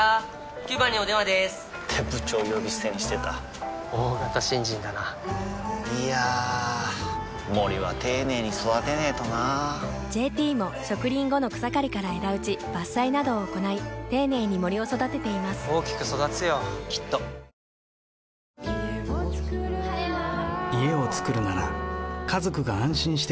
９番にお電話でーす！って部長呼び捨てにしてた大型新人だないやー森は丁寧に育てないとな「ＪＴ」も植林後の草刈りから枝打ち伐採などを行い丁寧に森を育てています大きく育つよきっと［８，０００本のコントから厳選した珠玉の一ネタをご覧ください］